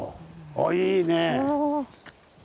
あっいいね！